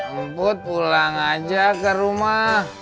rumput pulang aja ke rumah